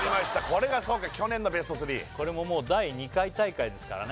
これが去年のベスト３これももう第２回大会ですからね